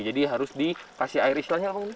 jadi harus dikasih air istilahnya apa bang